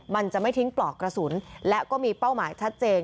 มันจะไม่ทิ้งปลอกกระสุนและก็มีเป้าหมายชัดเจน